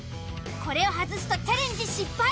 これを外すとチャレンジ失敗。